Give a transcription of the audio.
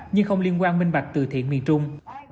nhưng không liên quan minh bạch từ thiện miền trung